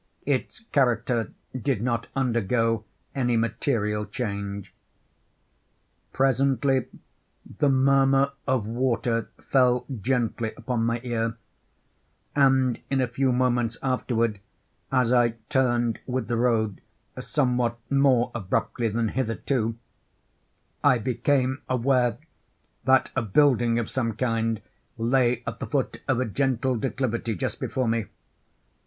Its character did not undergo any material change. Presently the murmur of water fell gently upon my ear—and in a few moments afterward, as I turned with the road somewhat more abruptly than hitherto, I became aware that a building of some kind lay at the foot of a gentle declivity just before me.